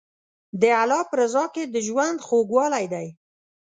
د الله په رضا کې د ژوند خوږوالی دی.